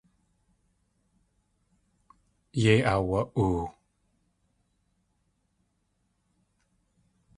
Yéi aawa.oo.